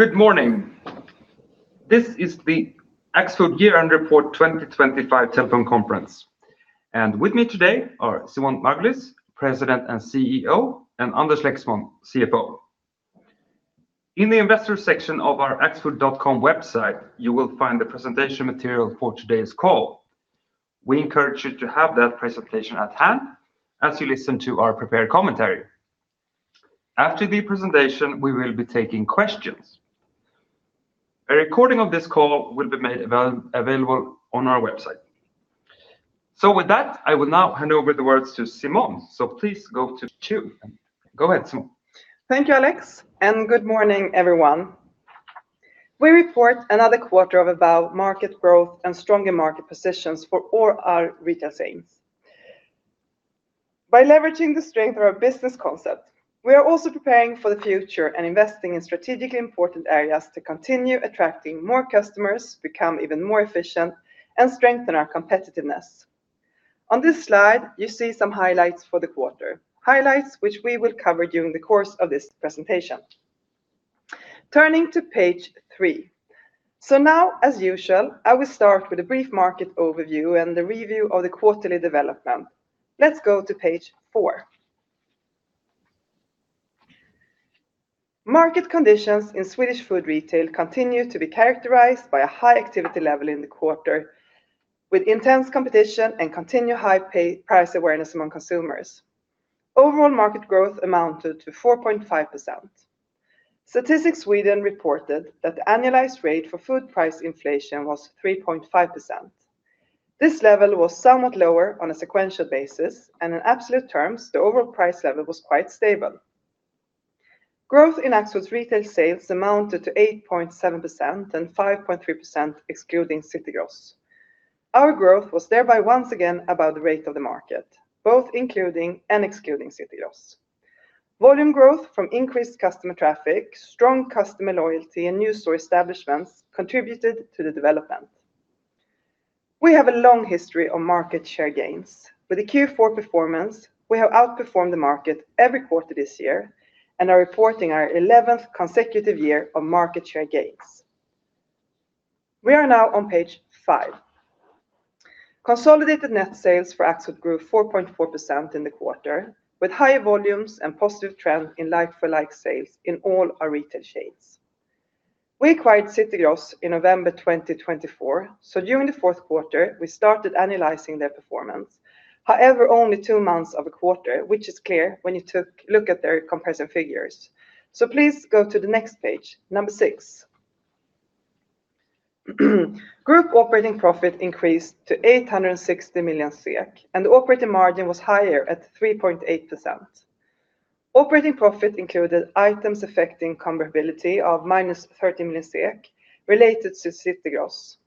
Good morning. This is the Axfood Year-End Report 2025 telephone conference. With me today are Simone Margulies, President and CEO, and Anders Lexmon, CFO. In the investor section of our axfood.com website, you will find the presentation material for today's call. We encourage you to have that presentation at hand as you listen to our prepared commentary. After the presentation, we will be taking questions. A recording of this call will be made available on our website. With that, I will now hand over the words to Simone. Please go ahead, Simone. Thank you, Alex, and good morning, everyone. We report another quarter of about market growth and stronger market positions for all our retail chains. By leveraging the strength of our business concept, we are also preparing for the future and investing in strategically important areas to continue attracting more customers, become even more efficient, and strengthen our competitiveness. On this slide, you see some highlights for the quarter, highlights which we will cover during the course of this presentation. Turning to page 3. So now, as usual, I will start with a brief market overview and the review of the quarterly development. Let's go to page 4. Market conditions in Swedish food retail continue to be characterized by a high activity level in the quarter, with intense competition and continued high price awareness among consumers. Overall market growth amounted to 4.5%. Statistics Sweden reported that the annualized rate for food price inflation was 3.5%. This level was somewhat lower on a sequential basis, and in absolute terms, the overall price level was quite stable. Growth in Axfood's retail sales amounted to 8.7% and 5.3% excluding City Gross. Our growth was thereby once again about the rate of the market, both including and excluding City Gross. Volume growth from increased customer traffic, strong customer loyalty, and new store establishments contributed to the development. We have a long history of market share gains. With the Q4 performance, we have outperformed the market every quarter this year and are reporting our 11th consecutive year of market share gains. We are now on page 5. Consolidated net sales for Axfood grew 4.4% in the quarter, with high volumes and positive trends in like-for-like sales in all our retail chains. We acquired City Gross in November 2024, so during the fourth quarter, we started annualizing their performance. However, only 2 months of a quarter, which is clear when you look at their comparison figures. So please go to the next page, number 6. Group operating profit increased to 860 million SEK, and the operating margin was higher at 3.8%. Operating profit included items affecting comparability of -30 million SEK related to City Gross.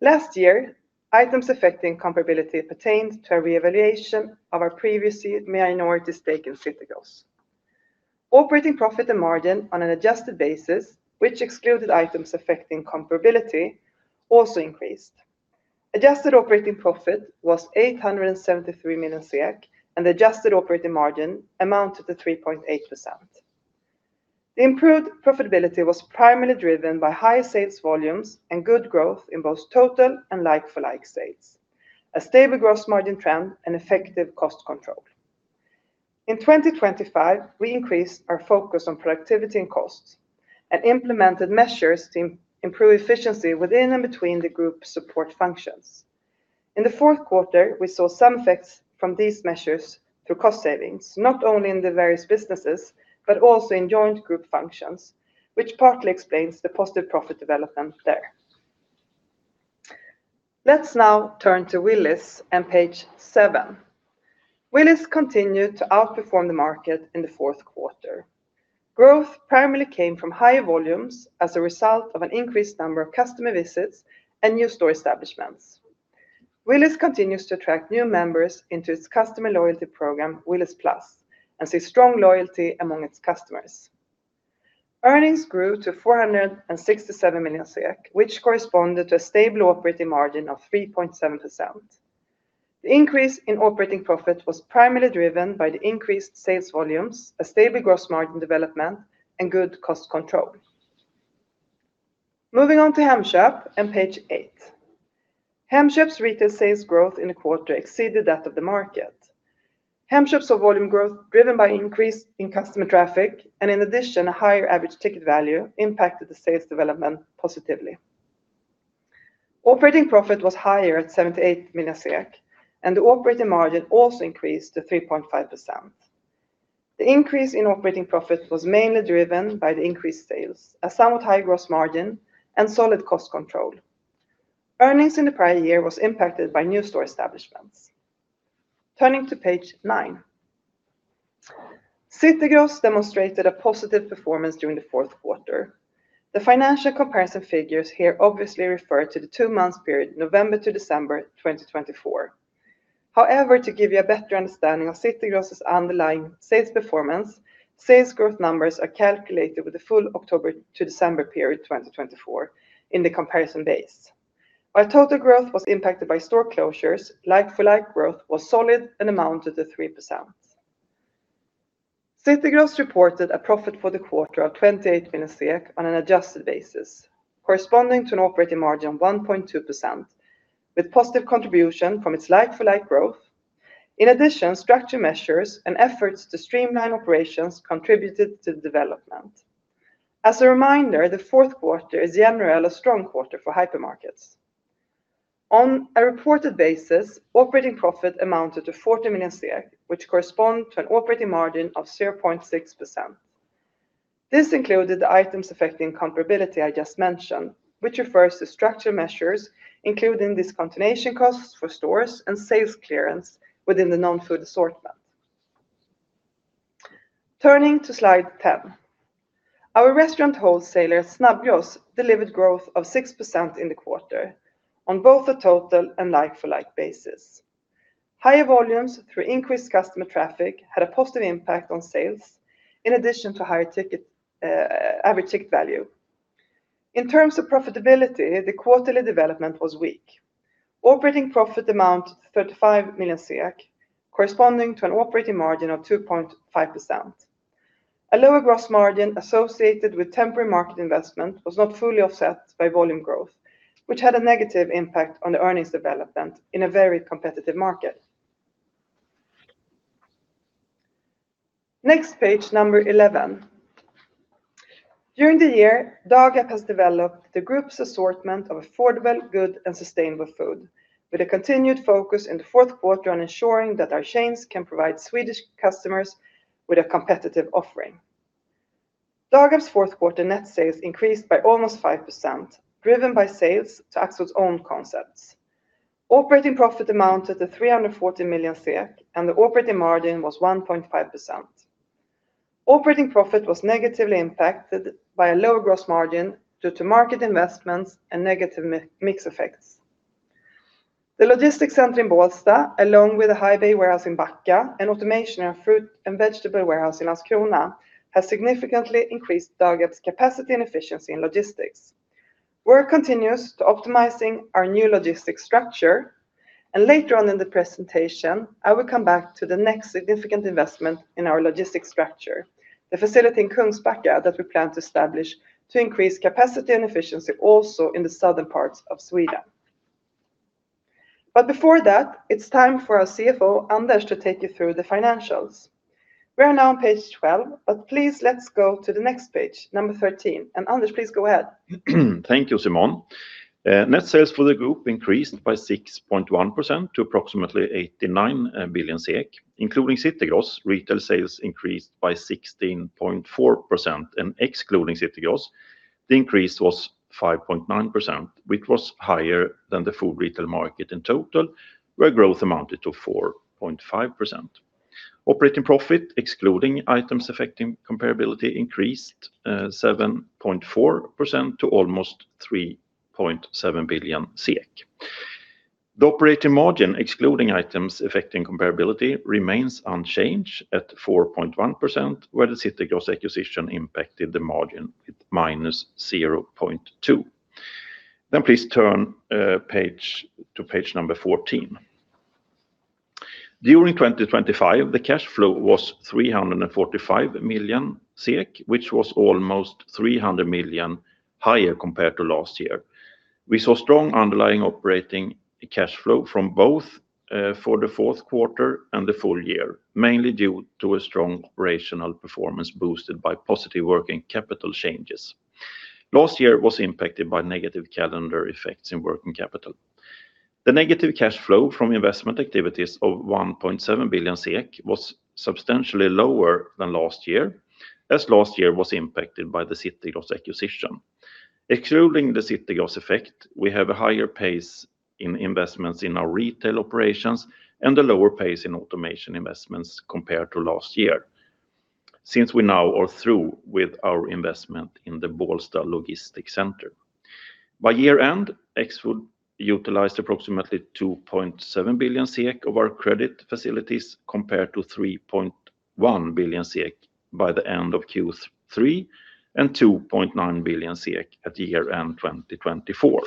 Last year, items affecting comparability pertained to a revaluation of our previously minority stake in City Gross. Operating profit and margin on an adjusted basis, which excluded items affecting comparability, also increased. Adjusted operating profit was 873 million, and the adjusted operating margin amounted to 3.8%. The improved profitability was primarily driven by high sales volumes and good growth in both total and like-for-like sales, a stable gross margin trend, and effective cost control. In 2025, we increased our focus on productivity and cost and implemented measures to improve efficiency within and between the group support functions. In the fourth quarter, we saw some effects from these measures through cost savings, not only in the various businesses, but also in joint group functions, which partly explains the positive profit development there. Let's now turn to Willys and page 7. Willys continued to outperform the market in the fourth quarter. Growth primarily came from high volumes as a result of an increased number of customer visits and new store establishments. Willys continues to attract new members into its customer loyalty program, Willys Plus, and sees strong loyalty among its customers. Earnings grew to 467 million SEK, which corresponded to a stable operating margin of 3.7%. The increase in operating profit was primarily driven by the increased sales volumes, a stable gross margin development, and good cost control. Moving on to Hemköp and page 8. Hemköp's retail sales growth in the quarter exceeded that of the market. Hemköp's volume growth, driven by an increase in customer traffic and in addition, a higher average ticket value, impacted the sales development positively. Operating profit was higher at 78 million SEK, and the operating margin also increased to 3.5%. The increase in operating profit was mainly driven by the increased sales, a somewhat high gross margin, and solid cost control. Earnings in the prior year were impacted by new store establishments. Turning to page 9. City Gross demonstrated a positive performance during the fourth quarter. The financial comparison figures here obviously refer to the two-month period November to December 2024. However, to give you a better understanding of City Gross's underlying sales performance, sales growth numbers are calculated with the full October to December period 2024 in the comparison base. While total growth was impacted by store closures, like-for-like growth was solid and amounted to 3%. City Gross reported a profit for the quarter of 28 million SEK on an adjusted basis, corresponding to an Operating Margin of 1.2%, with positive contribution from its like-for-like growth. In addition, structured measures and efforts to streamline operations contributed to the development. As a reminder, the fourth quarter is generally a strong quarter for hypermarkets. On a reported basis, operating profit amounted to 40 million, which corresponds to an Operating Margin of 0.6%. This included the Items Affecting Comparability I just mentioned, which refers to structured measures, including discontinuation costs for stores and sales clearance within the non-food assortment. Turning to slide 10. Our restaurant wholesaler, Snabbgross, delivered growth of 6% in the quarter on both a total and like-for-like basis. Higher volumes through increased customer traffic had a positive impact on sales, in addition to higher average ticket value. In terms of profitability, the quarterly development was weak. Operating profit amounted to 35 million, corresponding to an operating margin of 2.5%. A lower gross margin associated with temporary market investment was not fully offset by volume growth, which had a negative impact on the earnings development in a very competitive market. Next, page number 11. During the year, Dagab has developed the group's assortment of affordable, good, and sustainable food, with a continued focus in the fourth quarter on ensuring that our chains can provide Swedish customers with a competitive offering. Dagab's fourth quarter net sales increased by almost 5%, driven by sales to Axfood's own concepts. Operating profit amounted to 340 million, and the operating margin was 1.5%. Operating profit was negatively impacted by a lower gross margin due to market investments and negative mix effects. The logistics center in Bålsta, along with a high-bay warehouse in Backa, and automation in our fruit and vegetable warehouse in Landskrona, have significantly increased Dagab's capacity and efficiency in logistics. We're continuously optimizing our new logistics structure. Later on in the presentation, I will come back to the next significant investment in our logistics structure, the facility in Kungsbacka that we plan to establish to increase capacity and efficiency also in the southern parts of Sweden. Before that, it's time for our CFO, Anders, to take you through the financials. We are now on page 12, but please let's go to the next page, number 13. Anders, please go ahead. Thank you, Simone. Net sales for the group increased by 6.1% to approximately 89 billion SEK. Including City Gross, retail sales increased by 16.4%, and, excluding City Gross, the increase was 5.9%, which was higher than the food retail market in total, where growth amounted to 4.5%. Operating profit, excluding items affecting comparability, increased 7.4% to almost 3.7 billion SEK. The operating margin, excluding items affecting comparability, remains unchanged at 4.1%, where the City Gross acquisition impacted the margin with -0.2. Please turn to page number 14. During 2025, the cash flow was 345 million SEK, which was almost 300 million higher compared to last year. We saw strong underlying operating cash flow from both for the fourth quarter and the full year, mainly due to a strong operational performance boosted by positive working capital changes. Last year was impacted by negative calendar effects in working capital. The negative cash flow from investment activities of 1.7 billion SEK was substantially lower than last year, as last year was impacted by the City Gross acquisition. Excluding the City Gross effect, we have a higher pace in investments in our retail operations and a lower pace in automation investments compared to last year, since we now are through with our investment in the Bålsta Logistics Center. By year-end, Axfood utilized approximately 2.7 billion of our credit facilities compared to 3.1 billion by the end of Q3 and 2.9 billion at year-end 2024.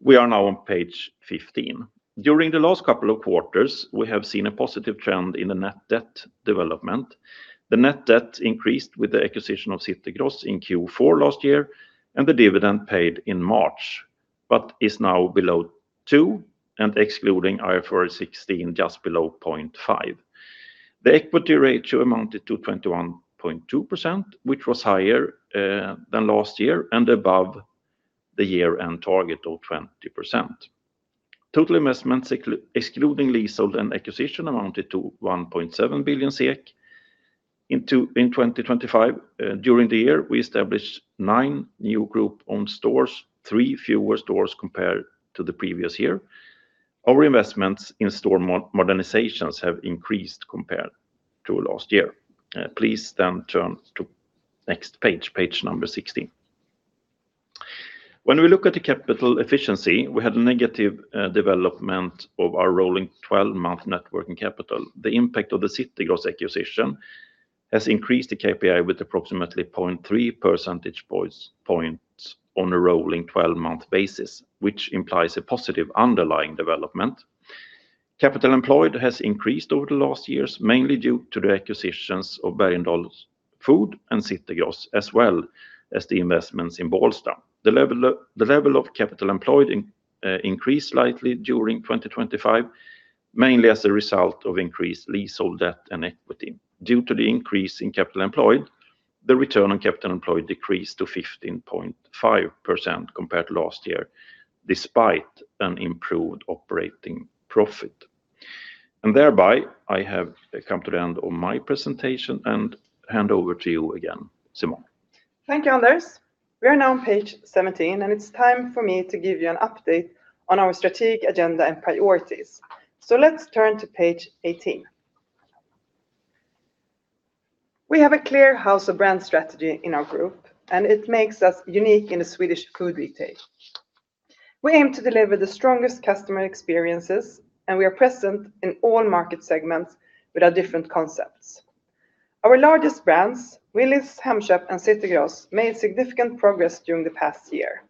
We are now on page 15. During the last couple of quarters, we have seen a positive trend in the net debt development. The net debt increased with the acquisition of City Gross in Q4 last year and the dividend paid in March, but is now below 2, and excluding IFRS 16, just below 0.5. The equity ratio amounted to 21.2%, which was higher than last year and above the year-end target of 20%. Total investments, excluding leases and acquisition, amounted to 1.7 billion SEK. In 2025, during the year, we established 9 new group-owned stores, 3 fewer stores compared to the previous year. Our investments in store modernizations have increased compared to last year. Please then turn to next page, page number 16. When we look at the capital efficiency, we had a negative development of our rolling 12-month net working capital. The impact of the City Gross acquisition has increased the KPI with approximately 0.3 percentage points on a rolling 12-month basis, which implies a positive underlying development. Capital Employed has increased over the last years, mainly due to the acquisitions of Bergendahls Food and City Gross, as well as the investments in Bålsta. The level of Capital Employed increased slightly during 2025, mainly as a result of increased leasehold debt and equity. Due to the increase in Capital Employed, the Return on Capital Employed decreased to 15.5% compared to last year, despite an improved Operating Profit. Thereby, I have come to the end of my presentation and hand over to you again, Simone. Thank you, Anders. We are now on page 17, and it's time for me to give you an update on our strategic agenda and priorities. So let's turn to page 18. We have a clear House of Brands strategy in our group, and it makes us unique in the Swedish food retail. We aim to deliver the strongest customer experiences, and we are present in all market segments with our different concepts. Our largest brands, Willys, Hemköp, and City Gross, made significant progress during the past year.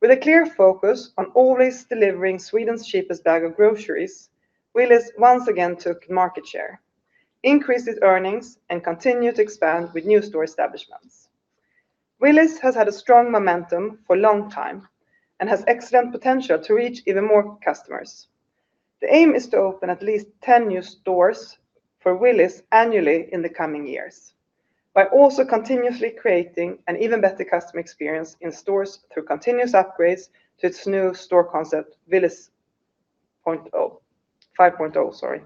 With a clear focus on always delivering Sweden's cheapest bag of groceries, Willys once again took market share, increased its earnings, and continued to expand with new store establishments. Willys has had a strong momentum for a long time and has excellent potential to reach even more customers. The aim is to open at least 10 new stores for Willys annually in the coming years by also continuously creating an even better customer experience in stores through continuous upgrades to its new store concept, Willys 5.0.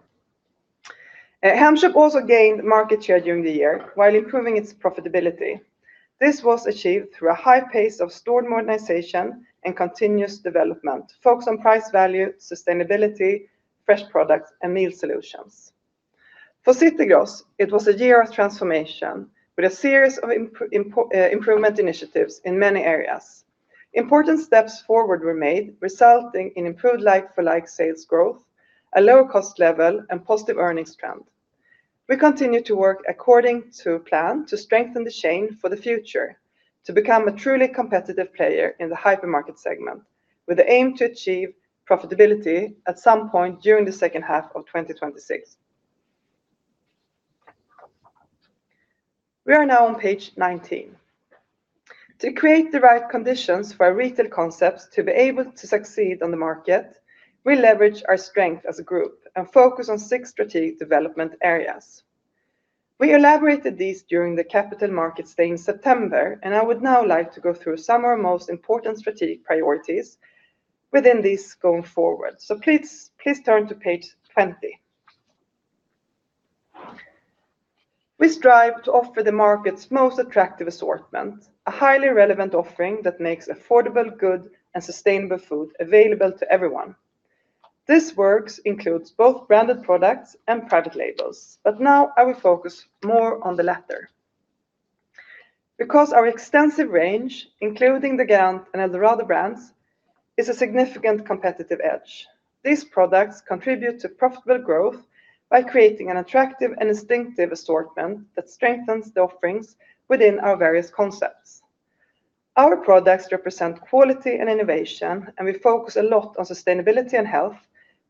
Hemköp also gained market share during the year while improving its profitability. This was achieved through a high pace of store modernization and continuous development focused on price value, sustainability, fresh products, and meal solutions. For City Gross, it was a year of transformation with a series of improvement initiatives in many areas. Important steps forward were made, resulting in improved like-for-like sales growth, a lower cost level, and a positive earnings trend. We continue to work according to plan to strengthen the chain for the future to become a truly competitive player in the hypermarket segment, with the aim to achieve profitability at some point during the second half of 2026. We are now on page 19. To create the right conditions for our retail concepts to be able to succeed on the market, we leverage our strength as a group and focus on six strategic development areas. We elaborated these during the Capital Markets Day in September, and I would now like to go through some of our most important strategic priorities within these going forward. So please turn to page 20. We strive to offer the market's most attractive assortment, a highly relevant offering that makes affordable, good, and sustainable food available to everyone. This work includes both branded products and private labels, but now I will focus more on the latter. Because our extensive range, including the Garant and Eldorado brands, is a significant competitive edge, these products contribute to profitable growth by creating an attractive and distinctive assortment that strengthens the offerings within our various concepts. Our products represent quality and innovation, and we focus a lot on sustainability and health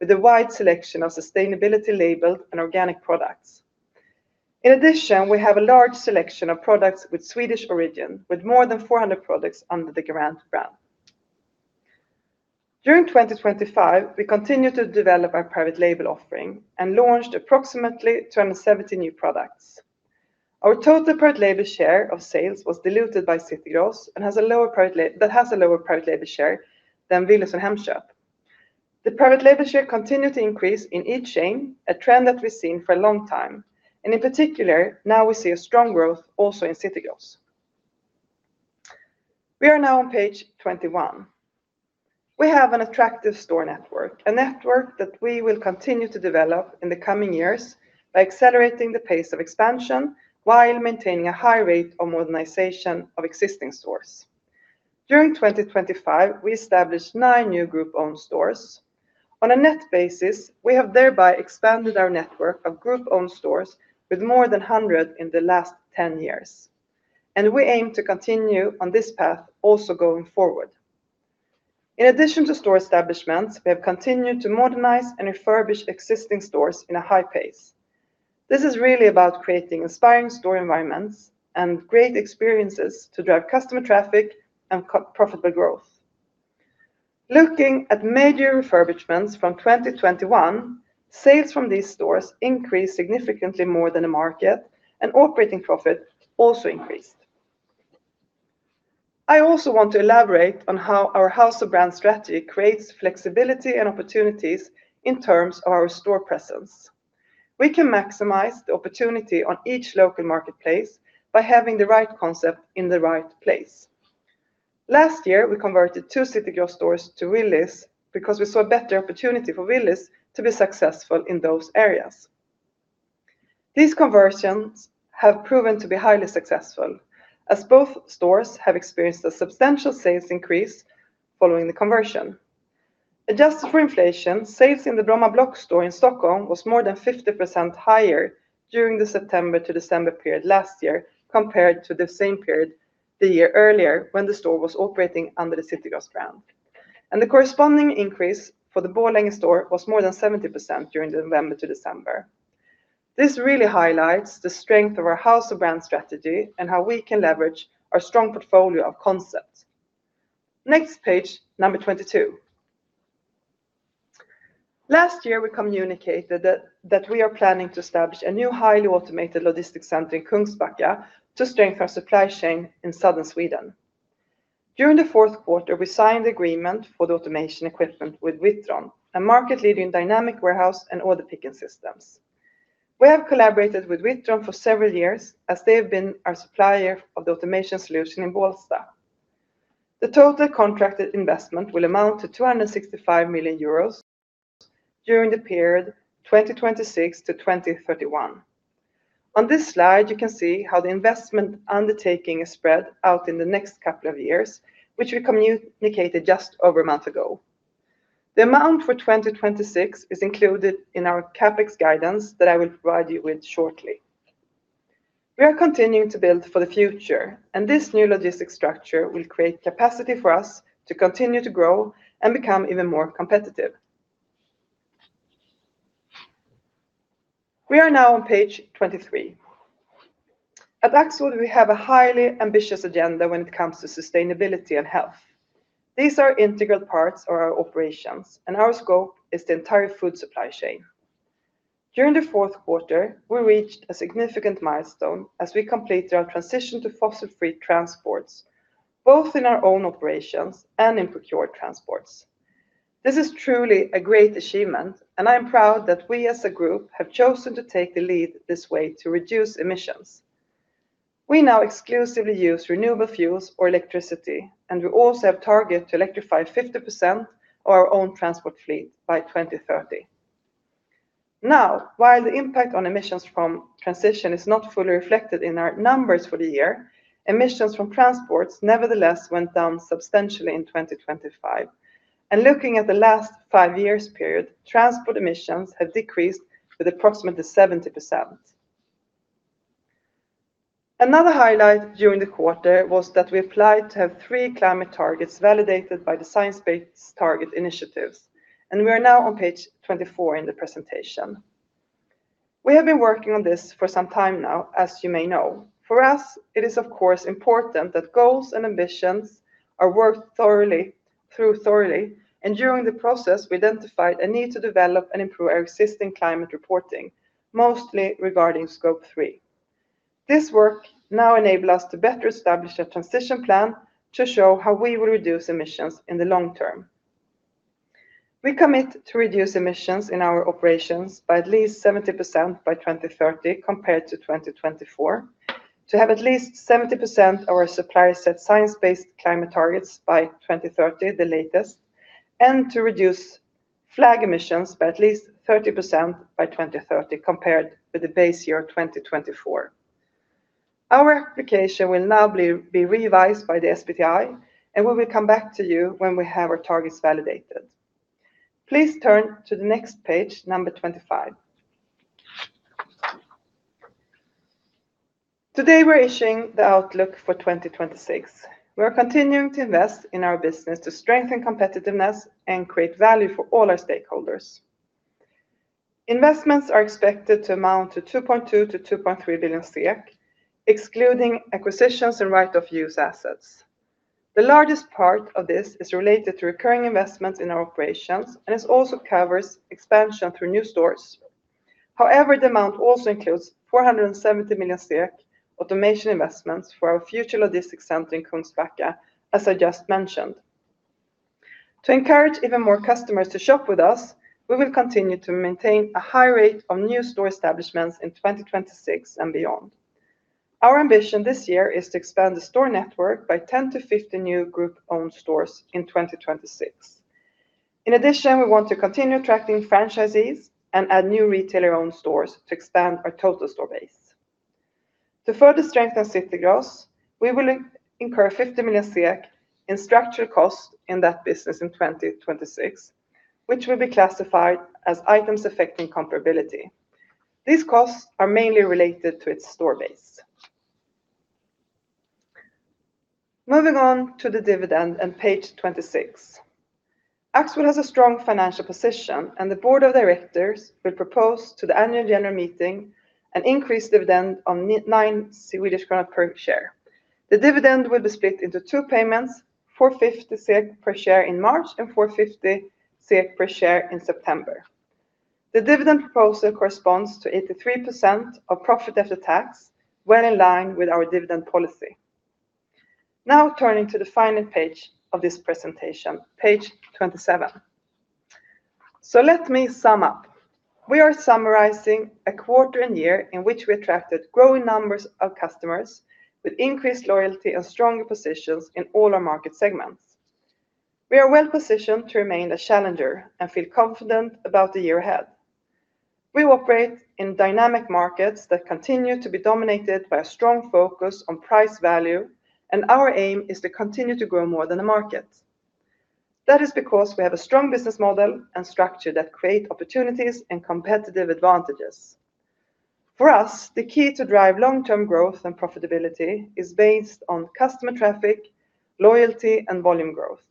with a wide selection of sustainability-labeled and organic products. In addition, we have a large selection of products with Swedish origin, with more than 400 products under the Garant brand. During 2025, we continued to develop our private label offering and launched approximately 270 new products. Our total private label share of sales was diluted by City Gross and has a lower private label share than Willys and Hemköp. The private label share continued to increase in each chain, a trend that we've seen for a long time. And in particular, now we see a strong growth also in City Gross. We are now on page 21. We have an attractive store network, a network that we will continue to develop in the coming years by accelerating the pace of expansion while maintaining a high rate of modernization of existing stores. During 2025, we established 9 new group-owned stores. On a net basis, we have thereby expanded our network of group-owned stores with more than 100 in the last 10 years. We aim to continue on this path also going forward. In addition to store establishments, we have continued to modernize and refurbish existing stores in a high pace. This is really about creating inspiring store environments and great experiences to drive customer traffic and profitable growth. Looking at major refurbishments from 2021, sales from these stores increased significantly more than the market, and operating profit also increased. I also want to elaborate on how our House of Brands strategy creates flexibility and opportunities in terms of our store presence. We can maximize the opportunity on each local marketplace by having the right concept in the right place. Last year, we converted two City Gross stores to Willys because we saw a better opportunity for Willys to be successful in those areas. These conversions have proven to be highly successful, as both stores have experienced a substantial sales increase following the conversion. Adjusted for inflation, sales in the Bromma Blocks store in Stockholm was more than 50% higher during the September to December period last year compared to the same period the year earlier when the store was operating under the City Gross brand. The corresponding increase for the Borlänge store was more than 70% during the November to December. This really highlights the strength of our House of Brands strategy and how we can leverage our strong portfolio of concepts. Next page, 22. Last year, we communicated that we are planning to establish a new highly automated logistics center in Kungsbacka to strengthen our supply chain in southern Sweden. During the fourth quarter, we signed the agreement for the automation equipment with Witron, a market-leading dynamic warehouse and order picking systems. We have collaborated with Witron for several years, as they have been our supplier of the automation solution in Bålsta. The total contracted investment will amount to 265 million euros during the period 2026-2031. On this slide, you can see how the investment undertaking is spread out in the next couple of years, which we communicated just over a month ago. The amount for 2026 is included in our CapEx guidance that I will provide you with shortly. We are continuing to build for the future, and this new logistics structure will create capacity for us to continue to grow and become even more competitive. We are now on page 23. At Axfood, we have a highly ambitious agenda when it comes to sustainability and health. These are integral parts of our operations, and our scope is the entire food supply chain. During the fourth quarter, we reached a significant milestone as we completed our transition to fossil-free transports, both in our own operations and in procured transports. This is truly a great achievement, and I am proud that we as a group have chosen to take the lead this way to reduce emissions. We now exclusively use renewable fuels or electricity, and we also have targeted to electrify 50% of our own transport fleet by 2030. Now, while the impact on emissions from transition is not fully reflected in our numbers for the year, emissions from transports nevertheless went down substantially in 2025. Looking at the last 5 years period, transport emissions have decreased with approximately 70%. Another highlight during the quarter was that we applied to have 3 climate targets validated by the Science Based Targets initiative, and we are now on page 24 in the presentation. We have been working on this for some time now, as you may know. For us, it is of course important that goals and ambitions are worked through thoroughly, and during the process, we identified a need to develop and improve our existing climate reporting, mostly regarding Scope 3. This work now enables us to better establish a transition plan to show how we will reduce emissions in the long term. We commit to reduce emissions in our operations by at least 70% by 2030 compared to 2024, to have at least 70% of our supply set science-based climate targets by 2030, the latest, and to reduce FLAG emissions by at least 30% by 2030 compared with the base year 2024. Our application will now be revised by the SBTi, and we will come back to you when we have our targets validated. Please turn to the next page 25. Today, we're issuing the outlook for 2026. We are continuing to invest in our business to strengthen competitiveness and create value for all our stakeholders. Investments are expected to amount to 2.2 billion-2.3 billion, excluding acquisitions and right-of-use assets. The largest part of this is related to recurring investments in our operations, and it also covers expansion through new stores. However, the amount also includes 470 million SEK automation investments for our future logistics center in Kungsbacka, as I just mentioned. To encourage even more customers to shop with us, we will continue to maintain a high rate of new store establishments in 2026 and beyond. Our ambition this year is to expand the store network by 10-15 new group-owned stores in 2026. In addition, we want to continue attracting franchisees and add new retailer-owned stores to expand our total store base. To further strengthen City Gross, we will incur 50 million in structural costs in that business in 2026, which will be classified as items affecting comparability. These costs are mainly related to its store base. Moving on to the dividend and page 26. Axfood has a strong financial position, and the board of directors will propose to the annual general meeting an increased dividend of 9 Swedish krona per share. The dividend will be split into two payments, 450 SEK per share in March and 450 SEK per share in September. The dividend proposal corresponds to 83% of profit after tax, well in line with our dividend policy. Now turning to the final page of this presentation, page 27. Let me sum up. We are summarizing a quarter and year in which we attracted growing numbers of customers with increased loyalty and stronger positions in all our market segments. We are well positioned to remain a challenger and feel confident about the year ahead. We operate in dynamic markets that continue to be dominated by a strong focus on price value, and our aim is to continue to grow more than the market. That is because we have a strong business model and structure that create opportunities and competitive advantages. For us, the key to drive long-term growth and profitability is based on customer traffic, loyalty, and volume growth.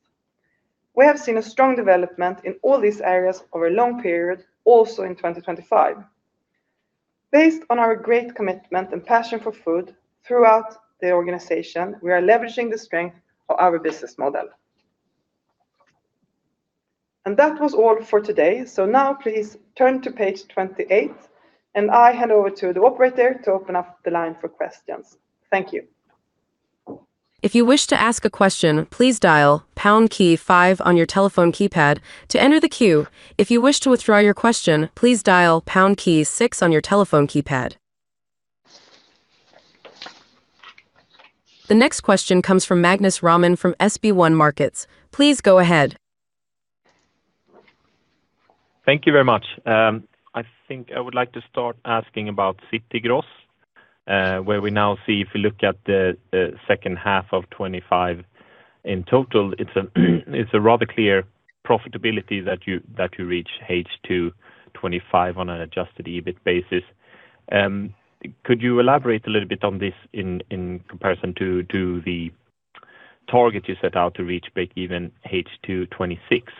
We have seen a strong development in all these areas over a long period, also in 2025. Based on our great commitment and passion for food throughout the organization, we are leveraging the strength of our business model. And that was all for today. So now please turn to page 28, and I hand over to the operator to open up the line for questions. Thank you. If you wish to ask a question, please dial pound key five on your telephone keypad to enter the queue. If you wish to withdraw your question, please dial pound key six on your telephone keypad. The next question comes from Magnus Råman from SB1 Markets. Please go ahead. Thank you very much. I think I would like to start asking about City Gross, where we now see if we look at the second half of 2025 in total, it's a rather clear profitability that you reach H2 2025 on an adjusted EBIT basis. Could you elaborate a little bit on this in comparison to the target you set out to reach break-even H2 2026?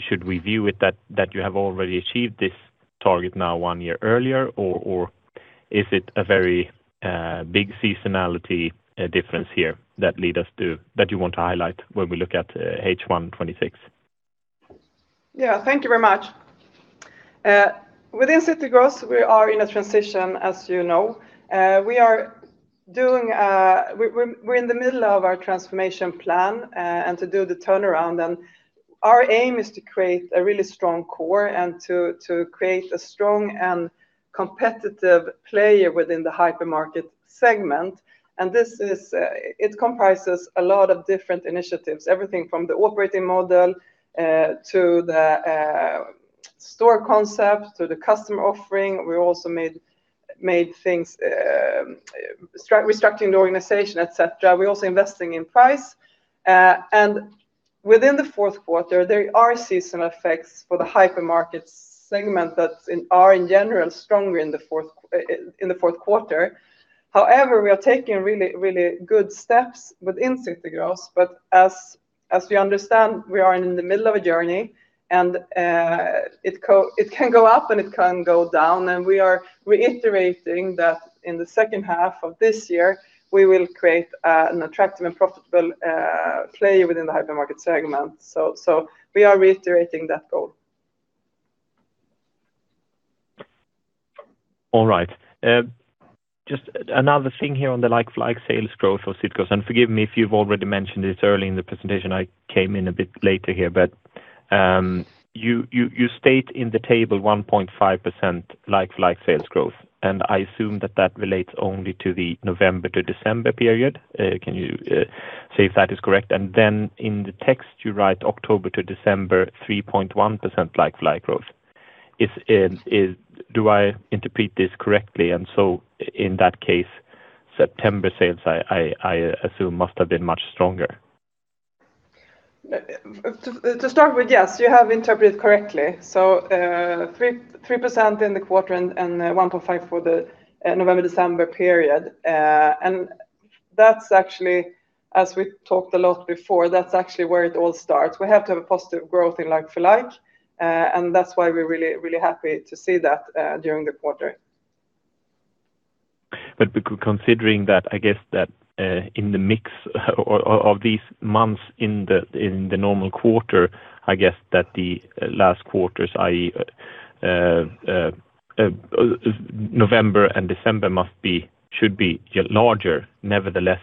Should we view it that you have already achieved this target now one year earlier, or is it a very big seasonality difference here that leads us to that you want to highlight when we look at H1 2026? Yeah, thank you very much. Within City Gross, we are in a transition, as you know. We're in the middle of our transformation plan and to do the turnaround. Our aim is to create a really strong core and to create a strong and competitive player within the hypermarket segment. This comprises a lot of different initiatives, everything from the operating model to the store concept to the customer offering. We also made things restructuring the organization, etc. We're also investing in price. Within the fourth quarter, there are seasonal effects for the hypermarket segment that are in general stronger in the fourth quarter. However, we are taking really, really good steps within City Gross, but as we understand, we are in the middle of a journey, and it can go up and it can go down. We are reiterating that in the second half of this year, we will create an attractive and profitable player within the hypermarket segment. We are reiterating that goal. All right. Just another thing here on the like-for-like sales growth of City Gross, and forgive me if you've already mentioned this early in the presentation. I came in a bit later here, but you state in the table 1.5% like-for-like sales growth, and I assume that that relates only to the November to December period. Can you say if that is correct? Then in the text, you write October to December 3.1% like-for-like growth. Do I interpret this correctly? So in that case, September sales, I assume, must have been much stronger. To start with, yes, you have interpreted correctly. So 3% in the quarter and 1.5% for the November-December period. And that's actually, as we talked a lot before, that's actually where it all starts. We have to have a positive growth in like-for-like, and that's why we're really, really happy to see that during the quarter. But considering that, I guess that in the mix of these months in the normal quarter, I guess that the last quarters, i.e., November and December, should be larger. Nevertheless,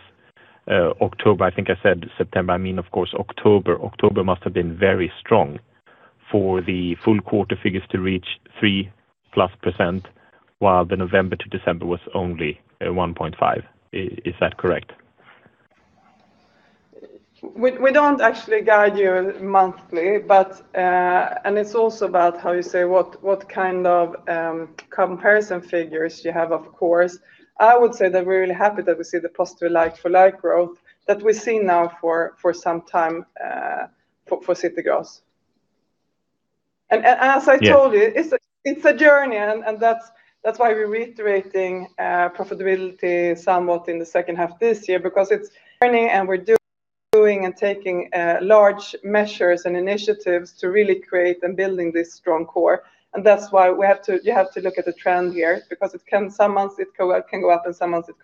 October, I think I said September, I mean, of course, October, October must have been very strong for the full quarter figures to reach 3%+, while the November to December was only 1.5%. Is that correct? We don't actually guide you monthly, but it's also about how you say what kind of comparison figures you have, of course. I would say that we're really happy that we see the positive like-for-like growth that we've seen now for some time for City Gross. And as I told you, it's a journey, and that's why we're reiterating profitability somewhat in the second half this year because it's a journey, and we're doing and taking large measures and initiatives to really create and build this strong core. And that's why we have to look at the trend here because some months it can go up and some months it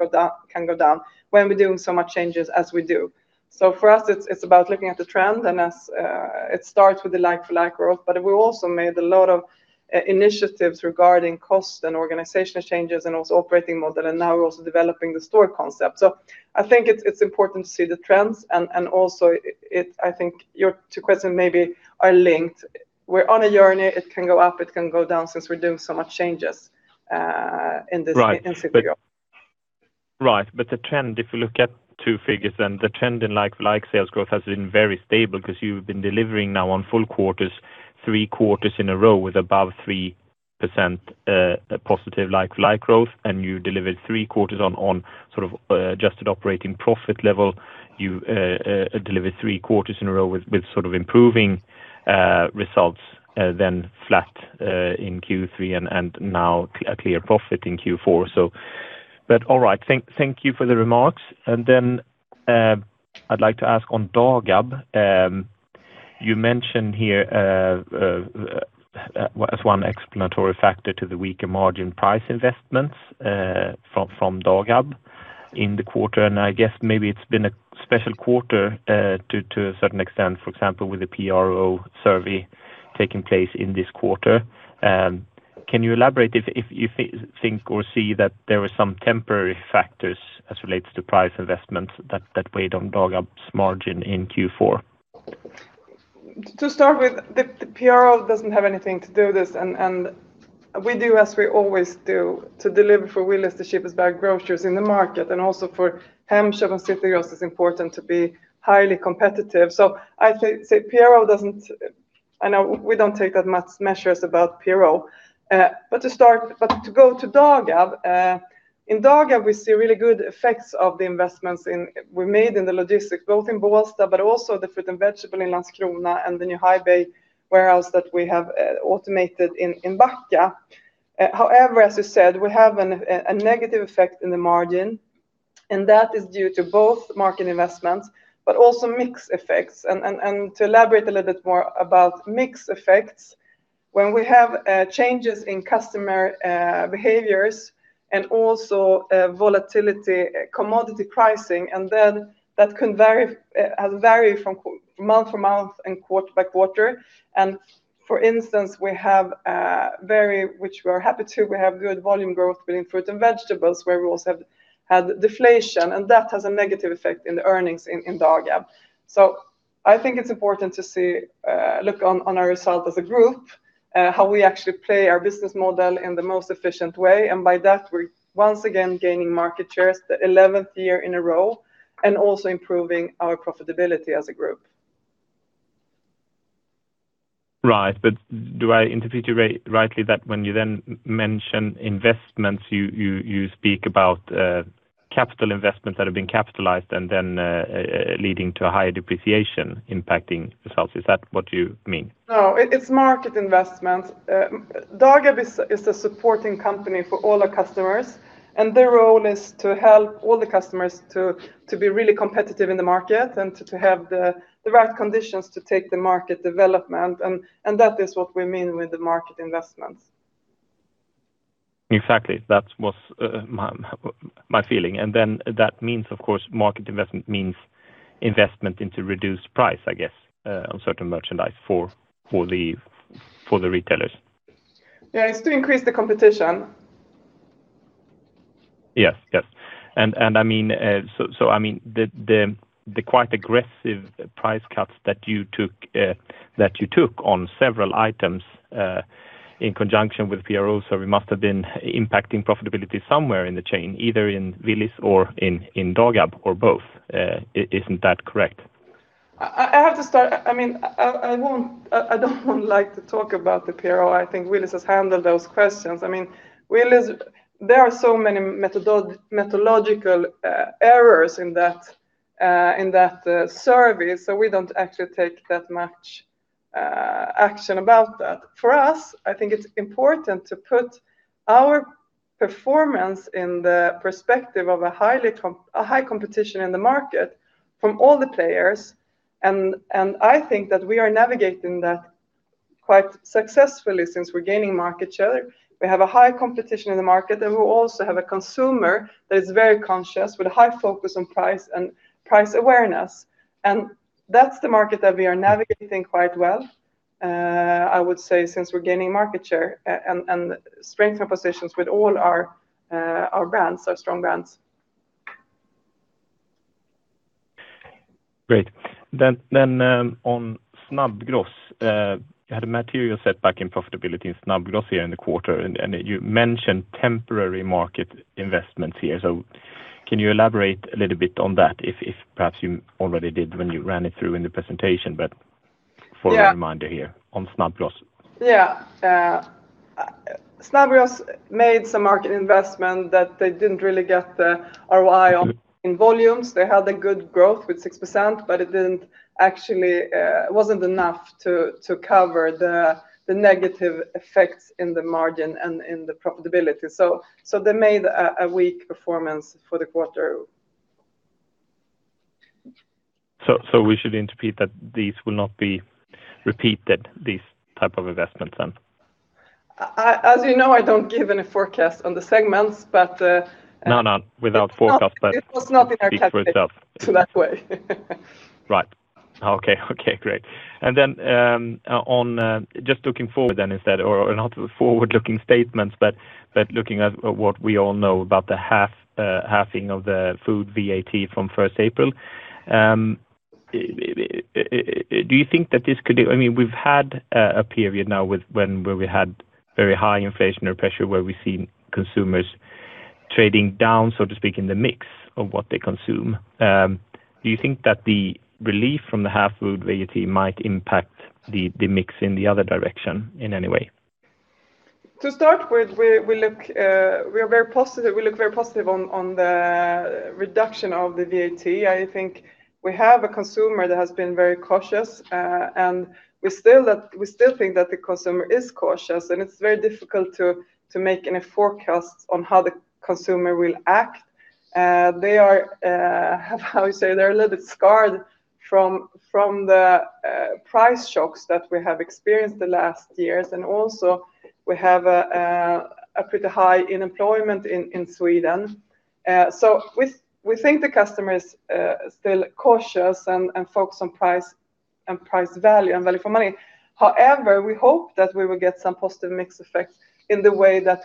can go down when we're doing so much changes as we do. So for us, it's about looking at the trend, and it starts with the like-for-like growth, but we also made a lot of initiatives regarding cost and organizational changes and also operating model, and now we're also developing the store concept. So I think it's important to see the trends, and also, I think your two questions maybe are linked. We're on a journey. It can go up. It can go down since we're doing so much changes in City Gross. Right. But the trend, if you look at two figures, then the trend in like-for-like sales growth has been very stable because you've been delivering now on full quarters, three quarters in a row with above 3% positive like-for-like growth, and you delivered three quarters on sort of adjusted operating profit level. You delivered three quarters in a row with sort of improving results, then flat in Q3 and now a clear profit in Q4. But all right, thank you for the remarks. And then I'd like to ask on Dagab, you mentioned here as one explanatory factor to the weaker margin price investments from Dagab in the quarter, and I guess maybe it's been a special quarter to a certain extent, for example, with the PRO survey taking place in this quarter. Can you elaborate if you think or see that there were some temporary factors as it relates to price investments that weighed on Dagab's margin in Q4? To start with, the PRO doesn't have anything to do with this, and we do as we always do to deliver for Willys the cheapest bag groceries in the market, and also for Hemköp and City Gross is important to be highly competitive. So I say PRO doesn't. I know we don't take that much measures about PRO. But to go to Dagab, in Dagab, we see really good effects of the investments we made in the logistics, both in Bålsta, but also the fruit and vegetable in Landskrona and the new high-bay warehouse that we have automated in Backa. However, as you said, we have a negative effect in the margin, and that is due to both market investments, but also mixed effects. To elaborate a little bit more about mixed effects, when we have changes in customer behaviors and also volatility, commodity pricing, and then that can vary month for month and quarter by quarter. For instance, we have very, which we are happy to, we have good volume growth within fruit and vegetables where we also have had deflation, and that has a negative effect in the earnings in Dagab. I think it's important to look on our result as a group, how we actually play our business model in the most efficient way, and by that, we're once again gaining market shares the 11th year in a row and also improving our profitability as a group. Right. Do I interpret you rightly that when you then mention investments, you speak about capital investments that have been capitalized and then leading to a higher depreciation impacting results? Is that what you mean? No, it's market investments. Dagab is a supporting company for all our customers, and their role is to help all the customers to be really competitive in the market and to have the right conditions to take the market development, and that is what we mean with the market investments. Exactly. That was my feeling. And then that means, of course, market investment means investment into reduced price, I guess, on certain merchandise for the retailers. Yeah, it's to increase the competition. Yes. And I mean, the quite aggressive price cuts that you took on several items in conjunction with PRO, so we must have been impacting profitability somewhere in the chain, either in Willys or in Dagab or both. Isn't that correct? I have to start. I mean, I don't like to talk about the PRO. I think PRO has handled those questions. I mean, PRO, there are so many methodological errors in that service, so we don't actually take that much action about that. For us, I think it's important to put our performance in the perspective of a high competition in the market from all the players. I think that we are navigating that quite successfully since we're gaining market share. We have a high competition in the market, and we also have a consumer that is very conscious with a high focus on price and price awareness. That's the market that we are navigating quite well, I would say, since we're gaining market share and strengthen positions with all our brands, our strong brands. Great. Then on Snabbgross, you had a material setback in profitability in Snabbgross here in the quarter, and you mentioned temporary market investments here. So can you elaborate a little bit on that, if perhaps you already did when you ran it through in the presentation, but for a reminder here on Snabbgross? Yeah. Snabbgross made some market investment that they didn't really get the ROI on in volumes. They had a good growth with 6%, but it wasn't enough to cover the negative effects in the margin and in the profitability. So they made a weak performance for the quarter. So we should interpret that these will not be repeated, these type of investments then? As you know, I don't give any forecast on the segments, but. No, no, without forecast, but. It was not in our capital to that way. Right. Okay, okay, great. Then just looking forward then instead, or not forward-looking statements, but looking at what we all know about the halving of the food VAT from April 1st, do you think that this could be, I mean, we've had a period now where we had very high inflationary pressure where we've seen consumers trading down, so to speak, in the mix of what they consume. Do you think that the relief from the halving food VAT might impact the mix in the other direction in any way? To start with, we are very positive. We look very positive on the reduction of the VAT. I think we have a consumer that has been very cautious, and we still think that the consumer is cautious, and it's very difficult to make any forecasts on how the consumer will act. They are, how you say, they're a little bit scarred from the price shocks that we have experienced the last years, and also we have a pretty high unemployment in Sweden. So we think the customer is still cautious and focused on price and price value and value for money. However, we hope that we will get some positive mixed effect in the way that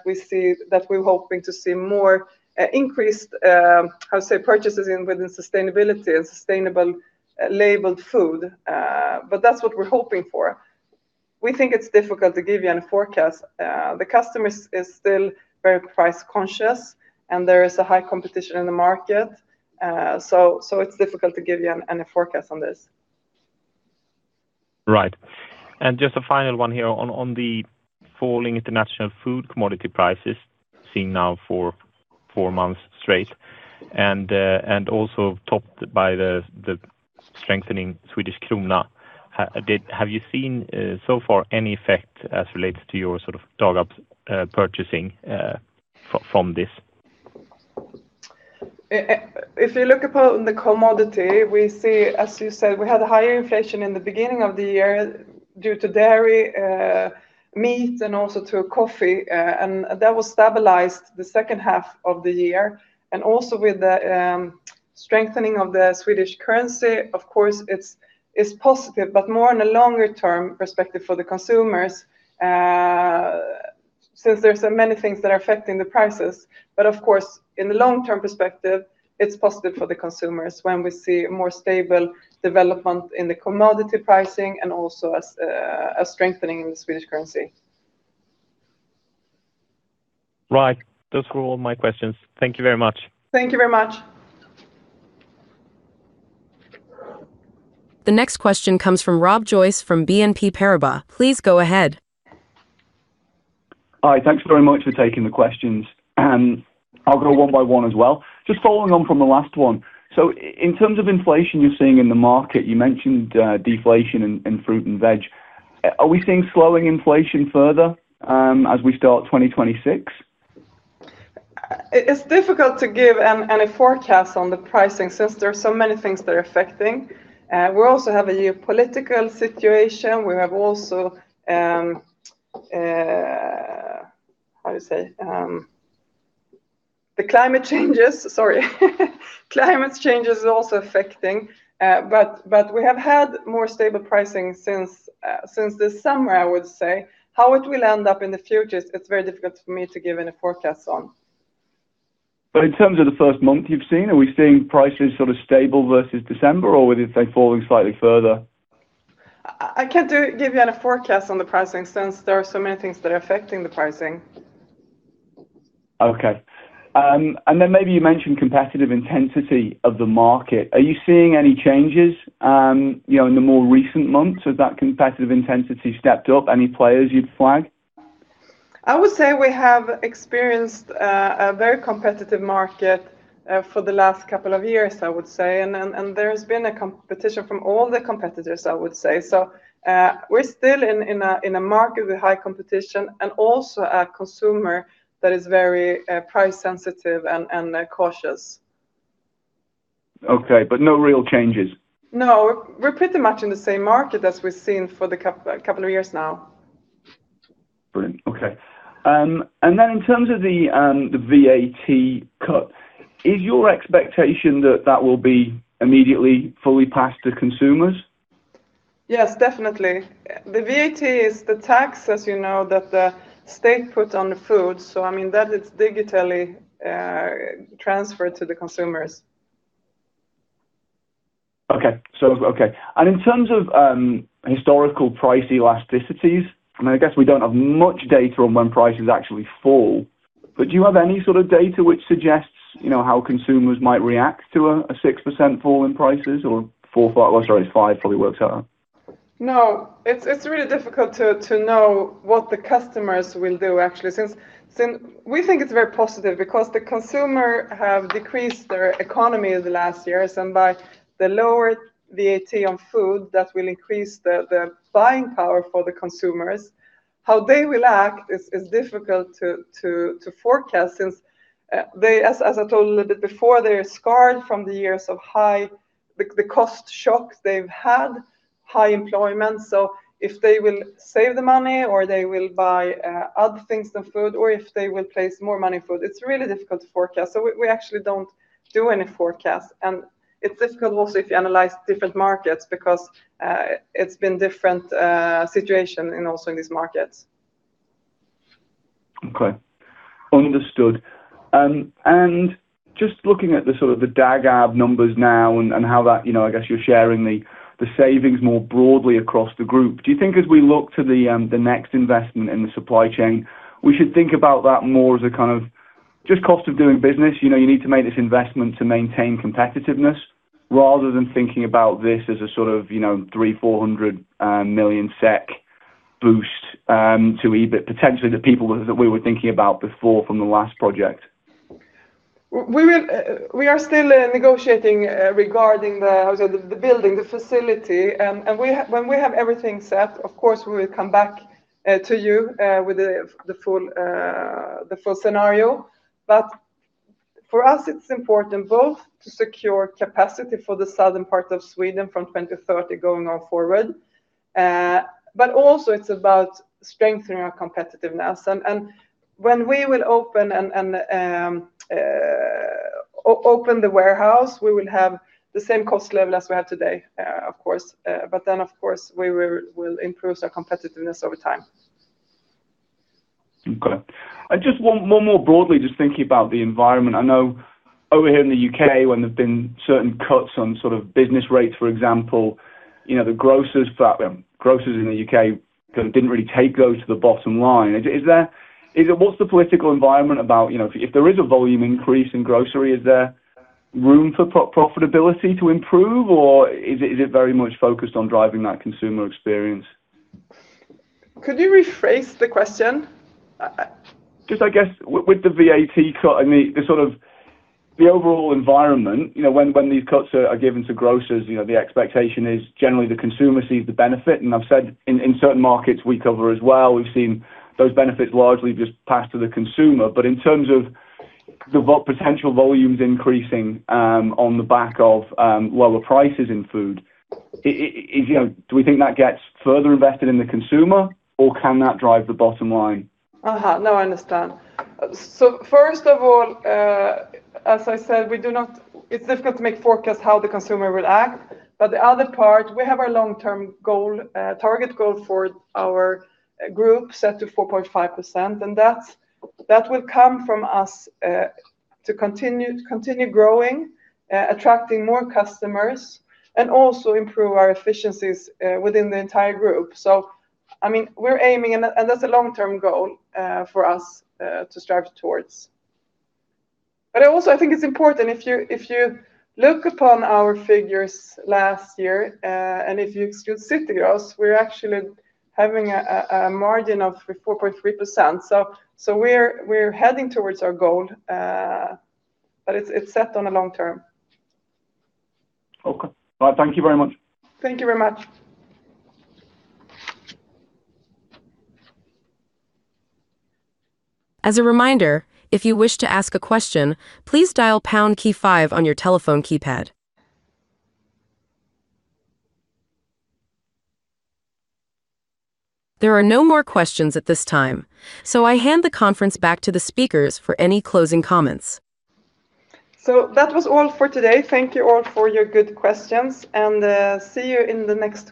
we're hoping to see more increased, how you say, purchases within sustainability and sustainable labeled food, but that's what we're hoping for. We think it's difficult to give you any forecast. The customer is still very price conscious, and there is a high competition in the market, so it's difficult to give you any forecast on this. Right. And just a final one here on the falling international food commodity prices seen now for 4 months straight, and also topped by the strengthening Swedish krona. Have you seen so far any effect as it relates to your sort of Dagab's purchasing from this? If you look upon the commodity, we see, as you said, we had a higher inflation in the beginning of the year due to dairy, meat, and also to coffee, and that was stabilized the second half of the year. And also with the strengthening of the Swedish currency, of course, it's positive, but more in a longer-term perspective for the consumers since there are many things that are affecting the prices. But of course, in the long-term perspective, it's positive for the consumers when we see more stable development in the commodity pricing and also a strengthening in the Swedish currency. Right. Those were all my questions. Thank you very much. Thank you very much. The next question comes from Rob Joyce from BNP Paribas. Please go ahead. Hi, thanks very much for taking the questions. I'll go one by one as well. Just following on from the last one. So in terms of inflation you're seeing in the market, you mentioned deflation in fruit and veg. Are we seeing slowing inflation further as we start 2026? It's difficult to give any forecasts on the pricing since there are so many things that are affecting. We also have a geopolitical situation. We have also, how you say, the climate changes. Sorry. Climate changes are also affecting, but we have had more stable pricing since this summer, I would say. How it will end up in the future, it's very difficult for me to give any forecasts on. But in terms of the first month you've seen, are we seeing prices sort of stable versus December, or will it be falling slightly further? I can't give you any forecasts on the pricing since there are so many things that are affecting the pricing. Okay. And then maybe you mentioned competitive intensity of the market. Are you seeing any changes in the more recent months? Has that competitive intensity stepped up? Any players you'd flag? I would say we have experienced a very competitive market for the last couple of years, I would say, and there has been competition from all the competitors, I would say. So we're still in a market with high competition and also a consumer that is very price-sensitive and cautious. Okay, but no real changes? No, we're pretty much in the same market as we've seen for the couple of years now. Brilliant. Okay. And then in terms of the VAT cut, is your expectation that that will be immediately fully passed to consumers? Yes, definitely. The VAT is the tax, as you know, that the state puts on the food. So I mean, that is digitally transferred to the consumers. Okay. And in terms of historical price elasticities, I mean, I guess we don't have much data on when prices actually fall, but do you have any sort of data which suggests how consumers might react to a 6% fall in prices or 4%? Sorry, it's 5%, fully works out. No, it's really difficult to know what the customers will do, actually, since we think it's very positive because the consumers have decreased their economy in the last years, and by the lower VAT on food, that will increase the buying power for the consumers. How they will act is difficult to forecast since they, as I told a little bit before, they're scarred from the years of high, the cost shock they've had, high employment. So if they will save the money or they will buy other things than food, or if they will place more money in food, it's really difficult to forecast. So we actually don't do any forecasts, and it's difficult also if you analyze different markets because it's been a different situation also in these markets. Okay. Understood. And just looking at the sort of the Dagab numbers now and how that, I guess you're sharing the savings more broadly across the group, do you think as we look to the next investment in the supply chain, we should think about that more as a kind of just cost of doing business? You need to make this investment to maintain competitiveness rather than thinking about this as a sort of 3,400 million SEK boost to EBIT, potentially the people that we were thinking about before from the last project? We are still negotiating regarding the building, the facility, and when we have everything set, of course, we will come back to you with the full scenario. But for us, it's important both to secure capacity for the southern part of Sweden from 2030 going forward, but also it's about strengthening our competitiveness. And when we will open the warehouse, we will have the same cost level as we have today, of course, but then, of course, we will improve our competitiveness over time. Okay. And just more broadly, just thinking about the environment, I know over here in the U.K., when there have been certain cuts on sort of business rates, for example, the grocers in the U.K. didn't really take those to the bottom line. What's the political environment about? If there is a volume increase in grocery, is there room for profitability to improve, or is it very much focused on driving that consumer experience? Could you rephrase the question? Just, I guess, with the VAT cut and the sort of the overall environment, when these cuts are given to grocers, the expectation is generally the consumer sees the benefit. And I've said in certain markets we cover as well, we've seen those benefits largely just passed to the consumer. But in terms of the potential volumes increasing on the back of lower prices in food, do we think that gets further invested in the consumer, or can that drive the bottom line? No, I understand. So first of all, as I said, it's difficult to make forecasts how the consumer will act, but the other part, we have our long-term target goal for our group set to 4.5%, and that will come from us to continue growing, attracting more customers, and also improve our efficiencies within the entire group. So I mean, we're aiming, and that's a long-term goal for us to strive towards. But also, I think it's important if you look upon our figures last year, and if you exclude City Gross, we're actually having a margin of 4.3%. So we're heading towards our goal, but it's set on a long term. Okay. All right. Thank you very much. Thank you very much. As a reminder, if you wish to ask a question, please dial pound key five on your telephone keypad. There are no more questions at this time, so I hand the conference back to the speakers for any closing comments. So that was all for today. Thank you all for your good questions, and see you in the next.